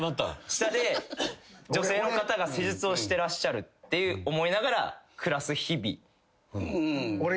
下で女性の方が施術をしてらっしゃるって思いながら暮らす日々。